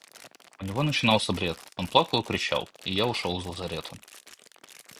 У него начинался бред, он плакал и кричал, и я ушел из лазарета.